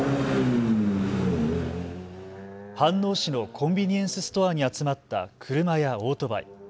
飯能市のコンビニエンスストアに集まった車やオートバイ。